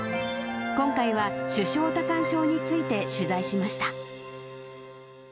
今回は手掌多汗症について取材しました。